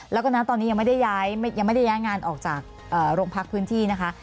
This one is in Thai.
แล้วก็นะตอนนี้ยังไม่ได้ยังไม่ได้ย้ายงานออกจากโรงพักพื้นที่นะคะ